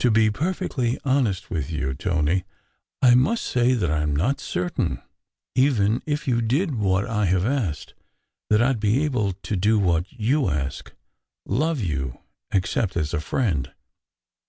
To be perfectly honest with you, 134 SECRET HISTORY Tony, I must say that I m not certain, even if you did what I have asked, that I d be able to do what you ask love you, except as a friend.